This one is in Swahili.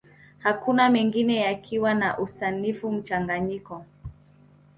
Huku mengine yakiwa na usanifu mchanganyiko